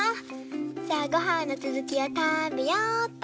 じゃあごはんのつづきをたべよっと。